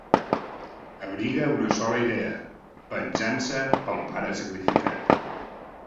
Abriga una sola idea: venjança pel pare sacrificat.